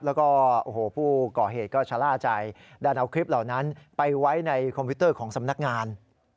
แล้วก็โอ้โหผู้ก่อเหตุก็ชะล่าใจดันเอาคลิปเหล่านั้นไปไว้ในคอมพิวเตอร์ของสำนักงาน